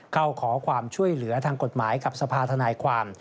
เข้าขอความช่วยเหลือทางกฎหมายกับสภาธนายความ